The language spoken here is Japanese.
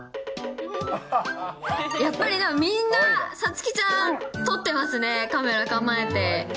やっぱり、みんなさつきちゃん撮ってますね、カメラ構えて。